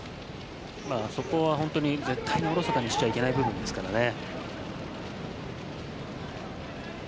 そこは絶対におろそかにしちゃいけない部分ですからね。